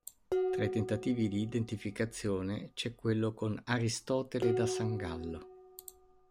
Tra i tentativi di identificazione c'è quello con Aristotele da Sangallo.